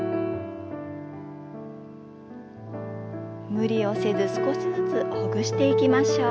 無理をせず少しずつほぐしていきましょう。